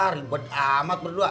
ribet amat berdua